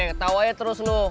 ketawa aja terus lu